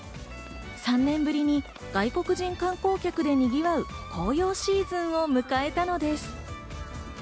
３年ぶりに外国人観光客でにぎわう紅葉シーズンを迎えたのです。